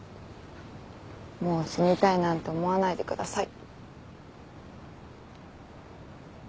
もう死にたいなんて思わないでください。